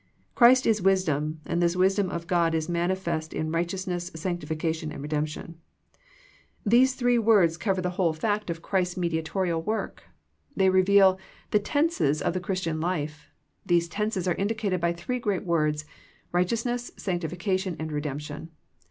Christ is wisdom, and this wisdom of God is manifest in righteousness, sanctification and redemption. These three words cover the whole THE PEEPAEATION FOE PEAYEE 55 fact of Christ's mediatorial work. They reveal the tenses of the Christian life. These tenses are indicated by three great words, righteousness, sanctification, redemption.